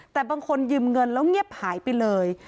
แต่บางคนยืมเงินแล้วเงียบหายไปเลย